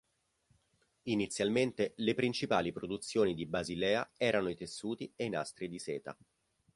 Inizialmente le principali produzioni di Basilea erano i tessuti e i nastri di seta.